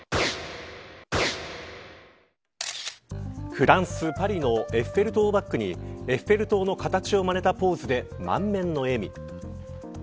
フランス、パリのエッフェル塔をバックにエッフェル塔の形をまねたポーズで満面の笑み。